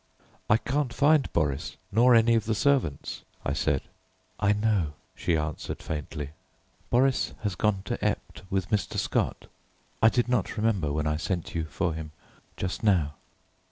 "I can't find Boris nor any of the servants," I said. "I know," she answered faintly, "Boris has gone to Ept with Mr. Scott. I did not remember when I sent you for him just now."